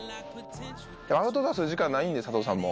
アウトドアする時間ないんで佐藤さんも。